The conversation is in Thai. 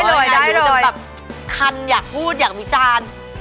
หรือจะแบบคันอยากพูดอยากวิจารณ์